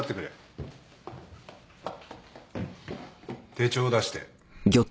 手帳を出して。